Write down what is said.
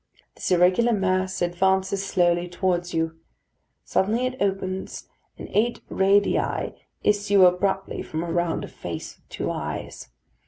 This irregular mass advances slowly towards you. Suddenly it opens, and eight radii issue abruptly from around a face with two eyes.